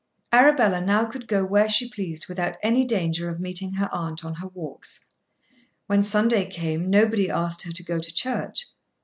Arabella now could go where she pleased without any danger of meeting her aunt on her walks. When Sunday came nobody asked her to go to church.